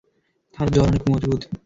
তার জড় অনেক মজবুত।